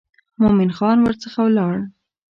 مومن خان ورڅخه ولاړ.